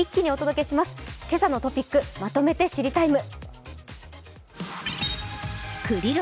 「けさのトピックまとめて知りＴＩＭＥ，」。